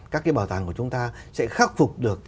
các cái bảo tàng của chúng ta sẽ khắc phục được